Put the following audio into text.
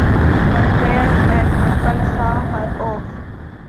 Her parents and uncle saw her off.